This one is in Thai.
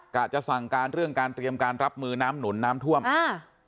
จะสั่งการเรื่องการเตรียมการรับมือน้ำหนุนน้ำท่วมอ่า